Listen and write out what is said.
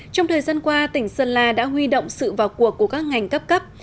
trong thời gian qua tỉnh sơn la đã huy động sự vào cuộc của các ngành cấp cấp